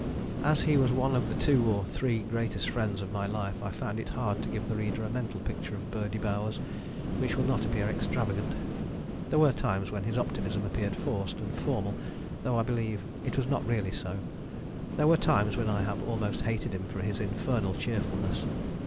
As he was one of the two or three greatest friends of my life I find it hard to give the reader a mental picture of Birdie Bowers which will not appear extravagant. There were times when his optimism appeared forced and formal though I believe it was not really so: there were times when I have almost hated him for his infernal cheerfulness.